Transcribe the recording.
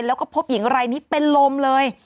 แล้วก็พบหญิงรายนี้เป็นลมเลย